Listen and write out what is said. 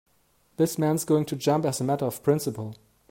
This man's going to jump as a matter of principle.